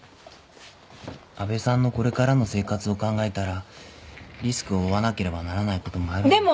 安部さんのこれからの生活を考えたらリスクを負わなければならないこともあるんです。